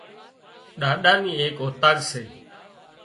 ڏاڏا نِي ايڪ اوطاق سي